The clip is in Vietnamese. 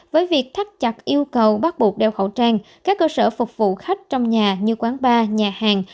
với việc thắt chặt yêu cầu bắt buộc đeo khẩu trang các cơ sở phục vụ khách trong nhà như quán bar nhà hàng